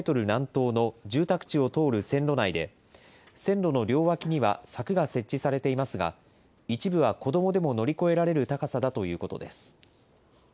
南東の住宅地を通る線路内で、線路の両脇には柵が設置されていますが、一部は子どもでも乗り越えられる高さだということです。